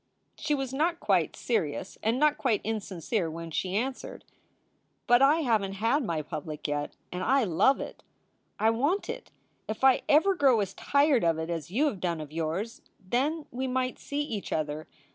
She was not quite serious and not quite insincere when she answered: "But I haven t had my public yet, and I love it. I want it. If I ever grow as tired of it as you have done of yours, then we might see each other.